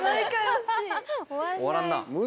終わらんな。